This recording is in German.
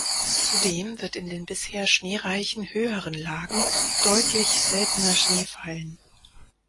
Zudem wird in den bisher schneereichen höheren Lagen deutlich seltener Schnee fallen.